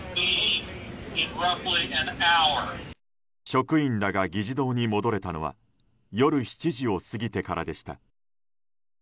職員らが議事堂に戻れたのは夜７時を過ぎてからでした。